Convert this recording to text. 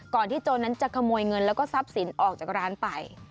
ที่โจรนั้นจะขโมยเงินแล้วก็ทรัพย์สินออกจากร้านไป